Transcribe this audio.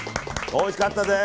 おいしかったです。